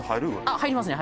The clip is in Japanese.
入りますね。